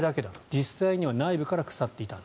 実際には内部から腐っていたと。